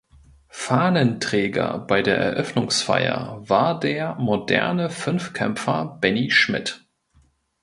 Fahnenträger bei der Eröffnungsfeier war der Moderne Fünfkämpfer Benny Schmidt.